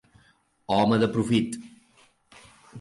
Home de profit.